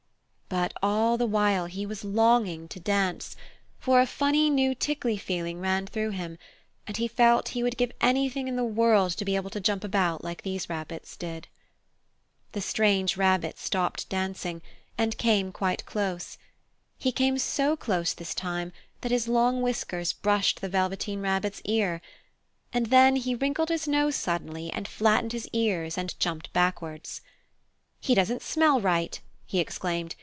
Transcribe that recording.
But all the while he was longing to dance, for a funny new tickly feeling ran through him, and he felt he would give anything in the world to be able to jump about like these rabbits did. The strange rabbit stopped dancing, and came quite close. He came so close this time that his long whiskers brushed the Velveteen Rabbit's ear, and then he wrinkled his nose suddenly and flattened his ears and jumped backwards. "He doesn't smell right!" he exclaimed.